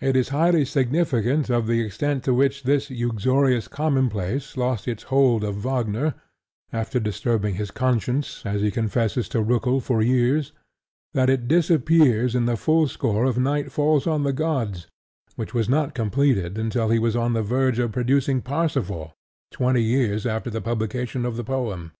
It is highly significant of the extent to which this uxorious commonplace lost its hold of Wagner (after disturbing his conscience, as he confesses to Roeckel, for years) that it disappears in the full score of Night Falls On The Gods, which was not completed until he was on the verge of producing Parsifal, twenty years after the publication of the poem.